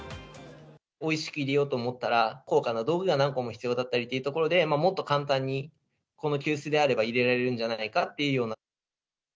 おいしくいれようと思ったら、高価な道具が何個も必要だったりというところで、もっと簡単に、この急須であればいれられるんじゃないかというような。